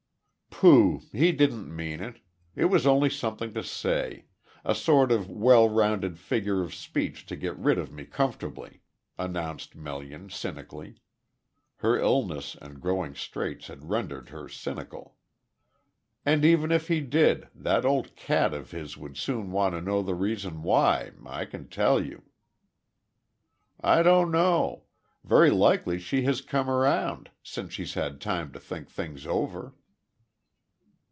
"Pooh! He didn't mean it. It was only something to say a sort of well rounded figure of speech to get rid of me comfortably," announced Melian cynically her illness and growing straits had rendered her cynical. "And even if he did, that old cat of his would soon want to know the reason why, I can tell you." "I don't know. Very likely she has come round, since she's had time to think things over."